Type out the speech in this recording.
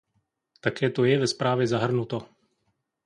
Také to je ve zprávě zahrnuto.